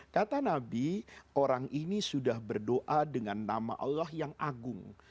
kata nabi orang ini sudah berdoa dengan nama allah yang agung